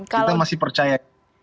kita masih percaya